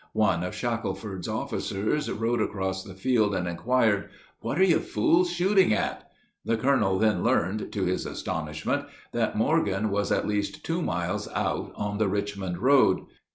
One of Shackelford's officers rode across the field and inquired, "What are you fools shooting at?" The colonel then learned, to his astonishment, that Morgan was at least two miles out on the Richmond road.